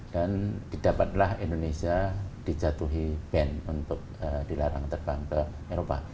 dan didapatlah indonesia dijatuhi ban untuk dilarang terbang ke eropa